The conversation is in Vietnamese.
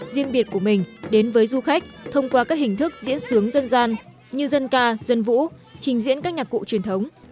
riêng biệt của mình đến với du khách thông qua các hình thức diễn sướng dân gian như dân ca dân vũ trình diễn các nhạc cụ truyền thống